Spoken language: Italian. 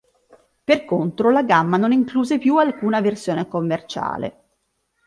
Per contro, la gamma non incluse più alcuna versione commerciale.